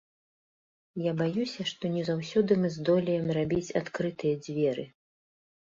Я баюся, што не заўсёды мы здолеем рабіць адкрытыя дзверы.